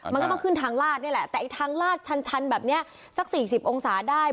มันก็ต้องขึ้นทางลาดนี่แหละแต่ไอ้ทางลาดชันแบบนี้สัก๔๐องศาได้